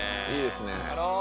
いいですね。